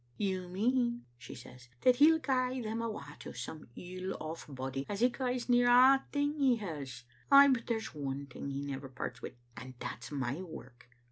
' "'You mean,' says she, *that he'll gie them awa to some ill off body, as he gies near a' thing he has? Ay, but there's one thing he never parts wi', and that's my work.